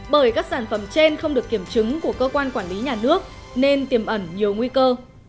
bởi các sản phẩm trên không được kiểm chứng của cơ quan quản lý nhà nước nên tiềm ẩn nhiều nguy cơ